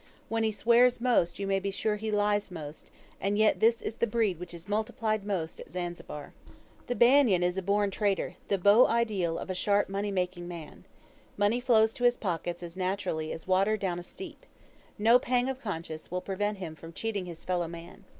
When he swears most, you may be sure he lies most, and yet this is the breed which is multiplied most at Zanzibar. The Banyan is a born trader, the beau ideal of a sharp money making man. Money flows to his pockets as naturally as water down a steep. No pang of conscience will prevent him from cheating his fellow man.